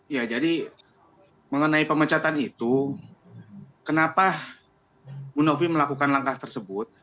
ya jadi mengenai pemecatan itu kenapa bu novi melakukan langkah tersebut